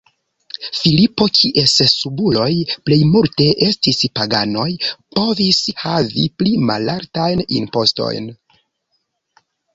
Filipo, kies subuloj plejmulte estis paganoj, povis havi pli malaltajn impostojn.